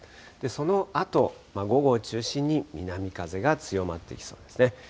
そのあと、午後を中心に南風が強まってきそうですね。